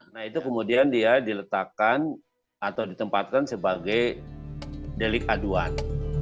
nah itu kemudian dia diletakkan atau ditempatkan sebagai delik aduan